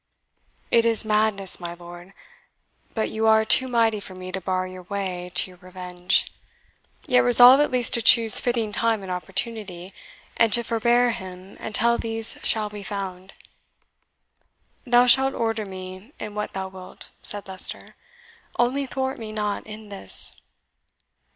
"It is madness, my lord; but you are too mighty for me to bar your way to your revenge. Yet resolve at least to choose fitting time and opportunity, and to forbear him until these shall be found." "Thou shalt order me in what thou wilt," said Leicester, "only thwart me not in this."